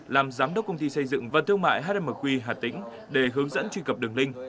làm giám đốc công ty xây dựng và thương mại hnq hà tĩnh để hướng dẫn truy cập đường link